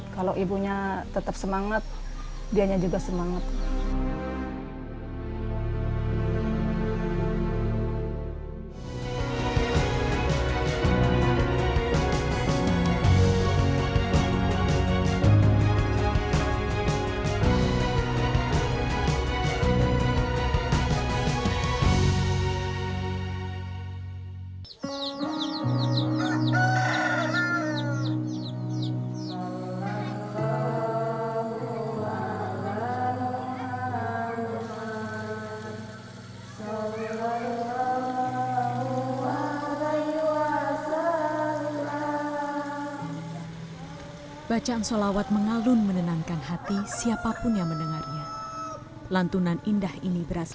kalau ibunya tetap semangat dianya juga semangat